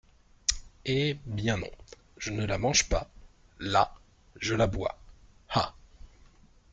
Eh, bien non ! je ne la mange pas ! là ! je la bois ! ah !